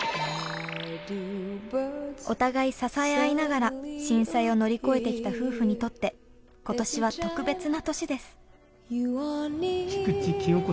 お互い支え合いながら震災を乗り越えてきた夫婦にとって今年は特別な年です。